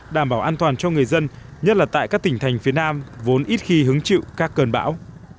đảm bảo an toàn cho người dân nhất là tại các tỉnh thành phía nam vốn ít khi hứng chịu các cơn bão